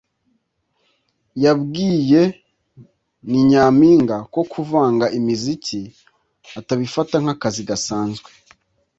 yabwiye “Ni Nyampinga” ko kuvanga imiziki atabifata nk’akazi gasanzwe